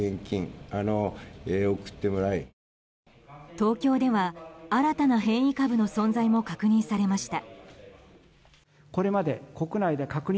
東京では新たな変異株の存在も確認されました。